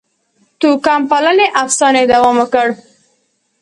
توکم پالنې افسانې دوام وکړ.